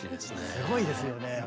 すごいですよね。